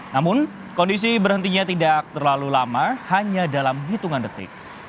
namun kondisi berhentinya tidak terlalu lama hanya dalam hitungan detik